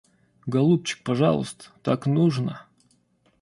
Голубчик, пожалуйста, так нужно.